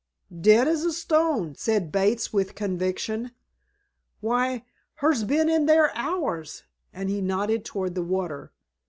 "Dead as a stone," said Bates with conviction. "Why, her's bin in there hours," and he nodded toward the water.